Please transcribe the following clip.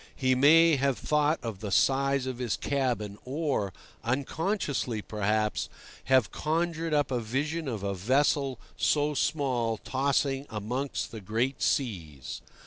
He may have thought of the size of his cabin, or—unconsciously, perhaps—have conjured up a vision of a vessel so small tossing amongst the great seas.